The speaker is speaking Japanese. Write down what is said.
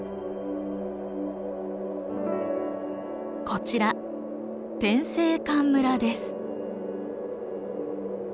こちら天井関村です。